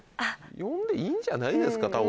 読んでいいんじゃないですか？